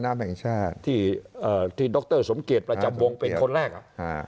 น้ำแห่งชาติที่เอ่อที่ด็อกเตอร์สมเกตประจำวงเป็นคนแรกอ่ะ